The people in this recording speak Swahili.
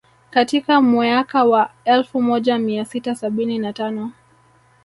Katika mweaka wa elfu moja mia sita sabini na tano